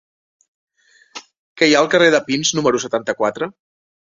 Què hi ha al carrer de Pins número setanta-quatre?